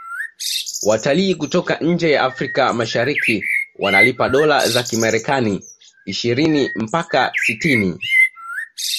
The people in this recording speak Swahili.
watalii kutoka nje ya afrika mashariki wanalipa dola za kimarekani ishini mpaka sitini